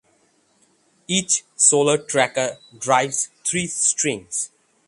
Each solar tracker drives three strings.